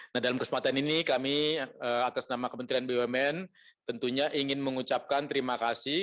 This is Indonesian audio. nah dalam kesempatan ini kami atas nama kementerian bumn tentunya ingin mengucapkan terima kasih